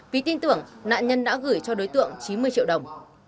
vì tin tưởng nạn nhân đã gửi cho đối tượng chín mươi triệu đồng